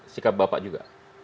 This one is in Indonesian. sikap bapak juga